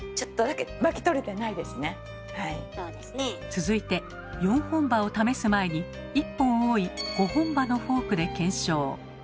続いて４本歯を試す前に１本多い５本歯のフォークで検証。